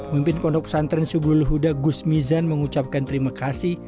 mimpin pondok pesantren subul huda gus mizan mengucapkan terima kasih